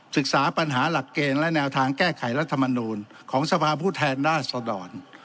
ศึกษาปัญหาหลักเกณฑ์และแนวทางแก้ไขรัฐมนูลของสภาพผู้แทนราชดร